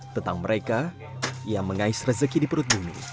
tentang mereka yang mengais rezeki di perut bumi